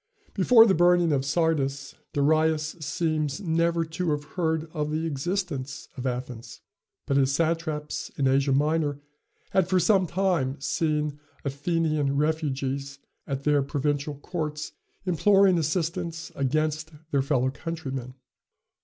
Before the burning of Sardis, Darius seems never to have heard of the existence of Athens; but his satraps in Asia Minor had for some time seen Athenian refugees at their provincial courts imploring assistance against their fellow countrymen.